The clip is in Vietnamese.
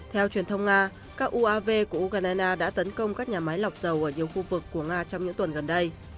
theo truyền thông nga các uav của ukraine đã tấn công các nhà máy lọc dầu ở nhiều khu vực của nga trong những tuần gần đây